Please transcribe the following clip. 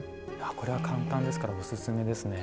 これは簡単ですからおすすめですね。